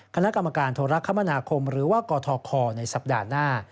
คณะกรรมการโทรคมนาคมหรือว่ากทคในสัปดาห์หน้า